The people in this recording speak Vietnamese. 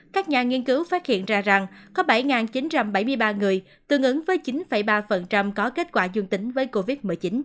các nhà nghiên cứu phát hiện ra rằng có bảy chín trăm bảy mươi ba người tương ứng với chín ba có kết quả dương tính với covid một mươi chín